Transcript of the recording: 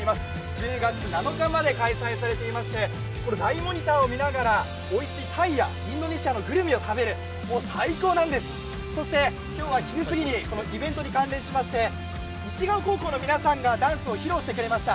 １０月７日まで開催されていまして、大モニターを見ながら、おいしいタイやインドネシアのグルメを食べる、もう最高なんですそして今日は昼すぎにこのイベントに関連しまして市ヶ尾高校の皆さんがダンスを披露してくれました。